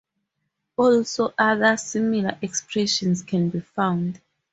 Also other similar expressions can be found.